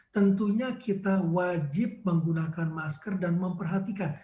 tentunya kita wajib menggunakan masker dan memperhatikan